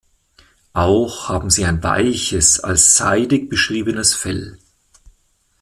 Auch haben sie ein weiches, als seidig beschriebenes Fell.